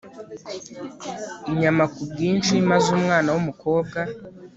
inyama ku bwinshi maze umwana wumukobwa